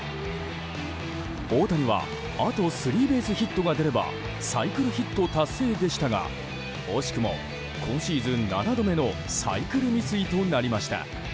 大谷はあとスリーベースヒットが出ればサイクルヒット達成でしたが惜しくも今シーズン７度目のサイクル未遂となりました。